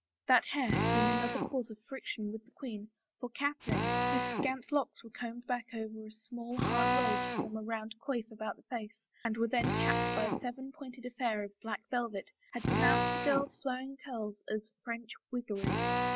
That hair had been another cause of friction with the queen, for Catherine, whose scant locks were combed back over a small, hard roll to form a round coif about the face and were then capped by a seven pointed affair of black velvet, had denounced the girl's flowing curls as " French wiggery."